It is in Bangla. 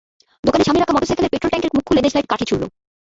দোকানের সামনে রাখা মোটরসাইকেলের পেট্রল ট্যাংকের মুখ খুলে দেশলাইয়ের কাঠি ছুড়ল।